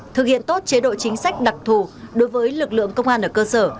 thực hiện tốt chế độ chính sách đặc thù đối với lực lượng công an ở cơ sở